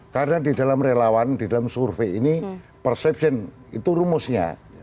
karena di dalam relawan di dalam survei ini persepsi itu rumusnya